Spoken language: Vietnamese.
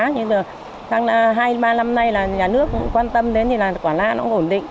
nhưng mà trong hai ba năm nay là nhà nước cũng quan tâm đến thì là quả na nó cũng ổn định